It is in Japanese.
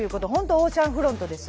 オーシャンフロントです。